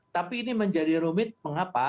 tapi ini menjadi rumit mengapa